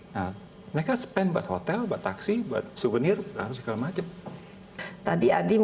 nah mereka spend buat hotel buat taxi buat suvenir dan segala macem